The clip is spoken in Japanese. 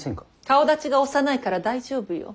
顔だちが幼いから大丈夫よ。